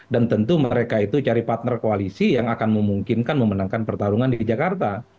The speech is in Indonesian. dan tentu mereka itu cari partner koalisi yang akan memungkinkan memenangkan pertarungan di jakarta